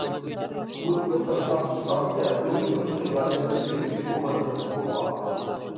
بۇنىڭدىن باشقا، ساقچى تەرەپ ھۇجۇم قىلىشقا ياردەملەشكەن ئۈچ گۇماندارنى قولغا ئالغان.